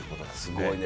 すごいね。